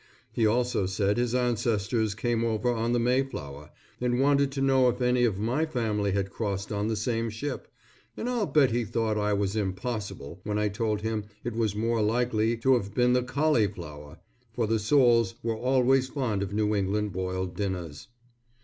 He also said his ancestors came over on the Mayflower, and wanted to know if any of my family had crossed on the same ship, and I'll bet he thought I was impossible when I told him it was more likely to have been the Cauliflower, for the Soules were always fond of New England boiled dinners.